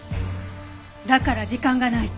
だから時間がないって。